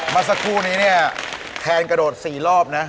มาสักครู่นี้เนี่ยแทนกระโดดสี่รอบนะ